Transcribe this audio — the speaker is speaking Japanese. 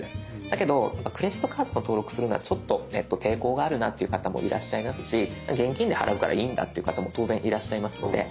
だけどクレジットカードを登録するのはちょっと抵抗があるなという方もいらっしゃいますし現金で払うからいいんだっていう方も当然いらっしゃいますので「スキップ」。